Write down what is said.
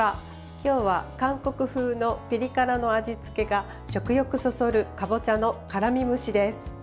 今日は韓国風のピリ辛の味付けが食欲そそるかぼちゃの辛み蒸しです。